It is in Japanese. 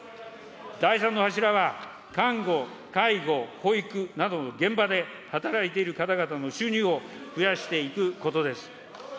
第３の柱は看護、介護、保育などの現場で働いている方々の収入を増やしていくことです。